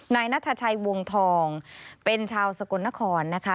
นายนัทชัยวงทองเป็นชาวสกลนครนะคะ